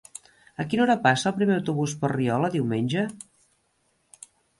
A quina hora passa el primer autobús per Riola diumenge?